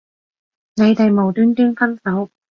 你哋無端端分手